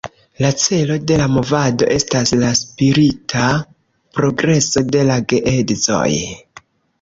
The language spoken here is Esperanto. La celo de la movado estas la spirita progreso de la geedzoj.